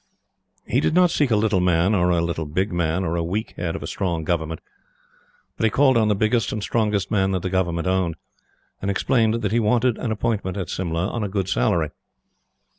He did not seek a little man, or a little big man, or a weak Head of a strong Department, but he called on the biggest and strongest man that the Government owned, and explained that he wanted an appointment at Simla on a good salary.